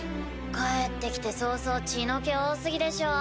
帰って来て早々血の気多すぎでしょ。